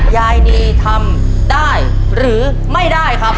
ยายนีทำได้หรือไม่ได้ครับ